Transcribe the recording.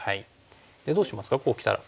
でどうしますかこうきたら。